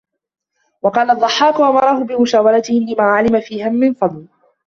وَقَالَ الضَّحَّاكُ أَمَرَهُ بِمُشَاوِرَتِهِمْ لِمَا عَلِمَ فِيهَا مِنْ الْفَضْلِ